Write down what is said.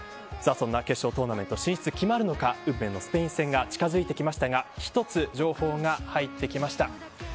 決勝トーナメント進出が決まるのか、運命のスペイン戦が近づいてきましたが一つ情報が入ってきました。